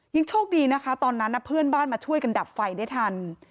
ยังโชคดีนะคะตอนนั้นเพื่อนบ้านมาช่วยกันดับไฟได้ทัน